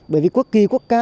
bởi vì quốc kỳ quốc ca